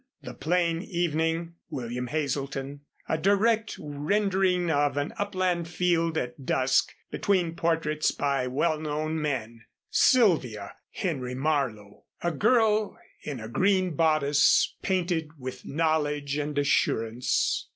"The Plain Evening William Hazelton" a direct rendering of an upland field at dusk, between portraits by well known men; "Sylvia Henry Marlow" a girl in a green bodice painted with knowledge and assurance.